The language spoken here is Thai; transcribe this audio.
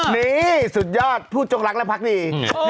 นี่สุดยอดผู้จงรักและพักดี